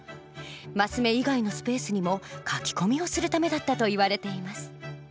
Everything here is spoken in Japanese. マス目以外のスペースにも書き込みをするためだったといわれています。